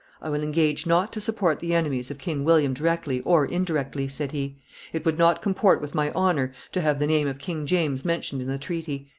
"I will engage not to support the enemies of King William directly or indirectly," said he: "it would not comport with my honor to have the name of King James mentioned in the treaty."